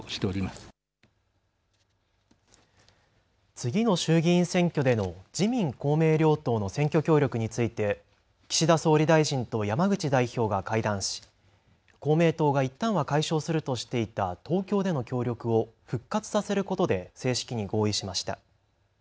次の衆議院選挙での自民・公明両党の選挙協力について岸田総理大臣と山口代表が会談し公明党がいったんは解消するとしていた東京での協力を復活させることで正式に合意しました。